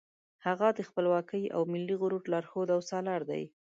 هغه د خپلواکۍ او ملي غرور لارښود او سالار دی.